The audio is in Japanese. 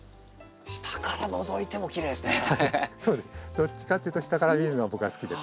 どっちかというと下から見るのが僕は好きです。